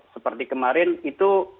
seperti kemarin itu